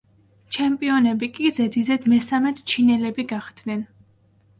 ჩემპიონები კი ზედიზედ მესამედ ჩინელები გახდნენ.